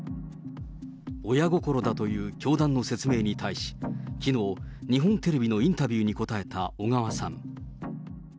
親心だという教団の説明に対し、きのう、日本テレビのインタビューに答えた小川さん。